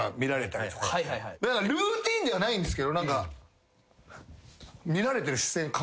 ルーティンではないんですけど。